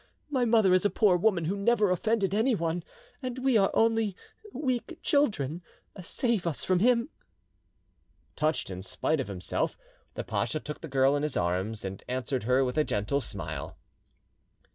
My mother is a poor woman who never offended anyone, and we are only weak children. Save us from him!" Touched in spite of himself, the pacha took the girl in his arms, and answered her with a gentle smile.